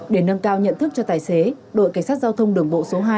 để nâng cao nhận thức cho tài xế đội cảnh sát giao thông đường bộ số hai